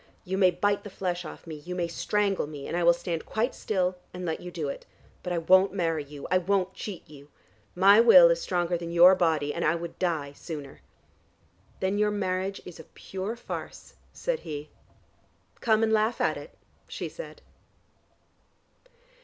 You may bite the flesh off me, you may strangle me, and I will stand quite still and let you do it. But I won't marry you. I won't cheat you. My will is stronger than your body, and I would die sooner." "Then your marriage is a pure farce," said he. "Come and laugh at it," she said.